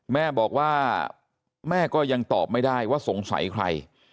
แม่บอกว่าแม่ก็ยังตอบไม่ได้ว่าสงสัยใคร